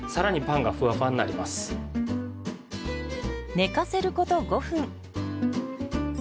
寝かせること５分。